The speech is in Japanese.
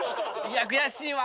悔しいわ！